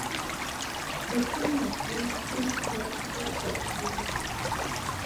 mikuna timpuchkaqllata tiyan